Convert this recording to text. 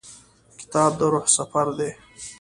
کتاب د روح سفر دی.